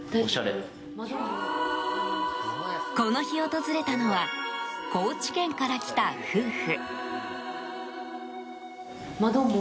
この日、訪れたのは高知県から来た夫婦。